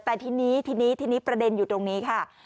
แต่ทีนี้ทีนี้ประเด็นอยู่ตรงนี้ค่ะ